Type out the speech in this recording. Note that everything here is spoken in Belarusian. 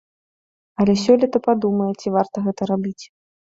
Але сёлета падумае, ці варта гэта рабіць.